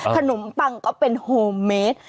ขนมปังก็เป็นโฮเมด